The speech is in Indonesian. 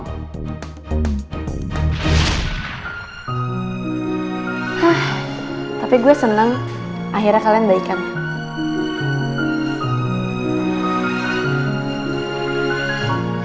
hah tapi gue seneng akhirnya kalian baikannya